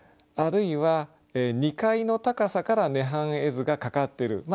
あるいは二階の高さから涅槃絵図がかかってる。